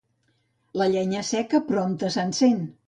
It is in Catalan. La llenya seca prompte s'encén.